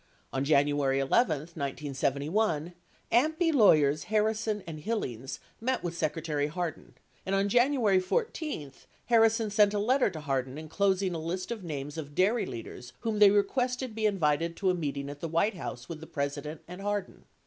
On January 11, 1971, AMPI lawyers Harrison and Hillings met with Secretary Hardin, and on January 14, Harrison sent a letter to Hardin enclosing a list of names of dairy leaders whom they requested be in vited to a meeting at the White House with the President and Har din.